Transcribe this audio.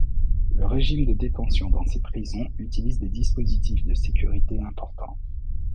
Le régime de détention dans ces prisons utilise des dispositifs de sécurité importants.